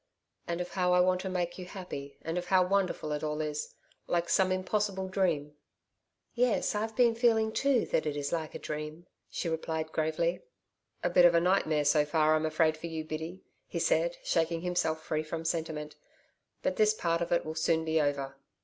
And of how I want to make you happy and of how wonderful it all is like some impossible dream.' 'Yes. I've been feeling too that it is like a dream,' she replied gravely. 'A bit of nightmare so far, I'm afraid, for you, Biddy,' he said shaking himself free from sentiment. 'But this part of it will soon be over.'